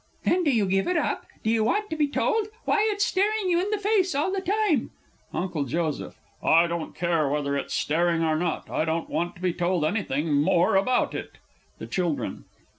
Then do you give it up? Do you want to be told? Why, it's staring you in the face all the time! UNCLE J. I don't care whether it's staring or not I don't want to be told anything more about it. THE CHILDREN.